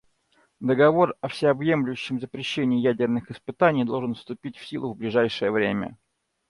Договор о всеобъемлющем запрещении ядерных испытаний должен вступить в силу в ближайшее время.